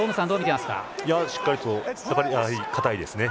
しっかりと堅いですね。